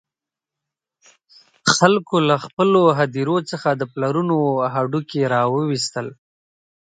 خلکو له خپلو هدیرو څخه د پلرونو هډوکي را وویستل.